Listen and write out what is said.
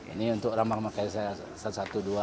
ini untuk orang yang pakai saya satu satu dua